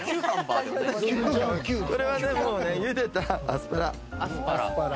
これはもうね、茹でたアスパラ。